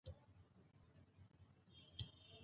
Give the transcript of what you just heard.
که ښځې خوشحاله وي نو کور خوشحالیږي.